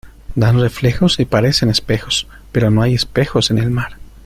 dan reflejos y parecen espejos, pero no hay espejos en el mar.